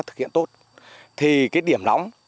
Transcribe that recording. thực hiện tốt thì cái điểm nóng